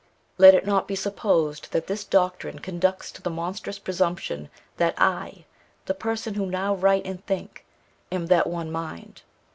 Let it not be supposed that this doctrine conducts to the monstrous presumption that I, the person who now write and think, am that one mind.